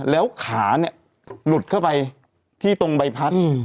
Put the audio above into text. แล้วขาเนี่ยหลุดเข้าไปที่ตรงใบพัด